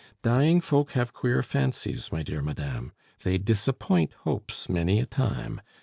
"Dying folk have queer fancies, my dear madame; they disappoint hopes many a time.